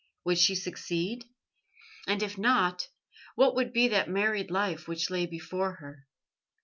Would she succeed? And if not, what would be that married life which lay before her?